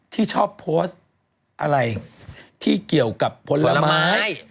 ที่ชอบโพสต์อะไรที่เกี่ยวกับผลไม้